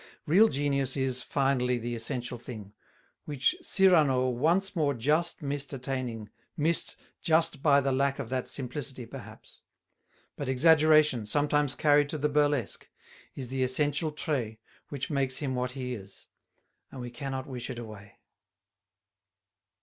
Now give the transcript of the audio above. Real genius is, finally, the essential thing, which Cyrano once more just missed attaining missed just by the lack of that simplicity, perhaps. But exaggeration, sometimes carried to the burlesque, is the essential trait which makes him what he is; and we cannot wish it away.